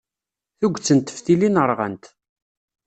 Tuget n teftilin rɣant.